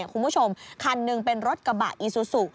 คุณผู้ชมคันหนึ่งเป็นรถกระบะอีซูซู